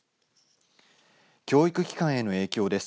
教育機関への影響です。